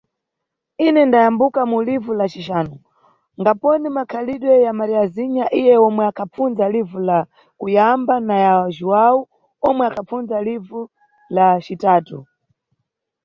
Ine ndayambuka mu livu la cixanu, ngaponi makhalidwe ya Mariazinha iye omwe akhapfunza livu la kuyamba na ya Juwau omwe akhapfunza livu la citatu?